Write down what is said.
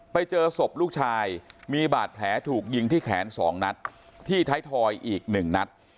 ไปเจอศพลูกชายมีบาดแผลถูกยิงที่แขน๒นัดที่ท้ายทอยอีก๑นัด